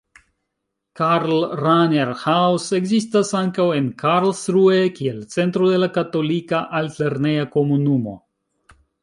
Karl-Rahner-Haus ekzistas ankaŭ en Karlsruhe kiel centro de la Katolika Alt-lerneja Komunumo.